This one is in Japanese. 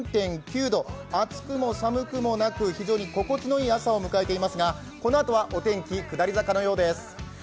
暑くも寒くもなく、非常に心地の良い朝を迎えていますがこのあとはお天気下り坂のようです。